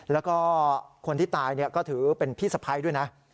แล้วก็คนที่ตายก็ถือเป็นพี่สะพ้ายด้วยนะ